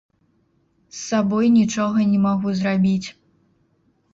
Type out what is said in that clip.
З сабой нічога не магу зрабіць.